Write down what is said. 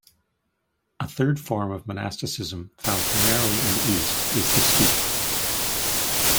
A third form of monasticism, found primarily in the East, is the skete.